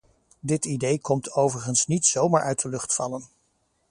Dit idee komt overigens niet zomaar uit de lucht vallen.